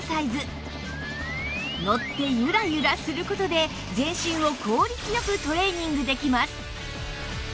乗ってゆらゆらする事で全身を効率よくトレーニングできます